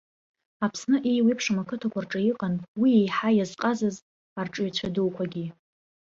Аԥсны еиуеиԥшым ақыҭақәа рҿы иҟан уи еиҳа иазҟазаз арҿиаҩцәа дуқәагьы.